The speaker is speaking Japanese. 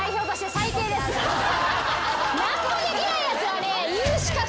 何もできないやつはね。